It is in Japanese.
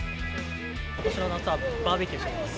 ことしの夏はバーベキューします。